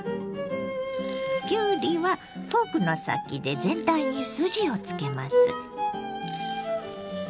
きゅうりはフォークの先で全体に筋をつけます。